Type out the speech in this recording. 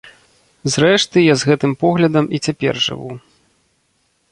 Зрэшты, я з гэтым поглядам і цяпер жыву.